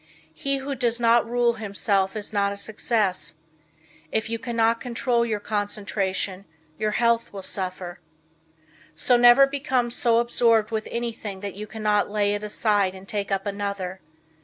He who does not rule himself is not a success. If you cannot control your concentration, your health will suffer. So never become so absorbed with anything that you cannot lay it aside and take up another.